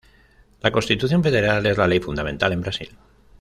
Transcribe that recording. La Constitución Federal es la Ley Fundamental en Brasil.